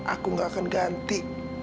aku gak akan ganti